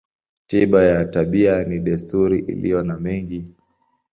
Tiba ya tabia ni desturi iliyo na mengi.